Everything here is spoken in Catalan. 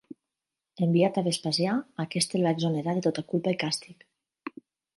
Enviat a Vespasià aquest el va exonerar de tota culpa i càstig.